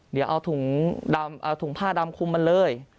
เดี๋ยวเอาถุงผ้าดำคุมาเลย